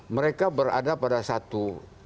mereka berada pada satu